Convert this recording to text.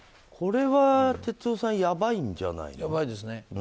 これは、哲夫さんやばいんじゃないですか？